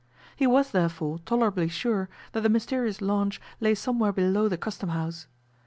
He was, therefore, tolerably sure that the mysterious launch lay somewhere below the Custom House.